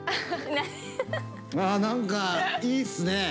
あ何かいいっすね！